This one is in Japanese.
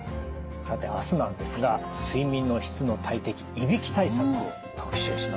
さて明日なんですが睡眠の質の大敵いびき対策を特集します。